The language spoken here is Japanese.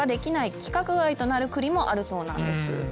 規格外となる栗もあるそうなんです。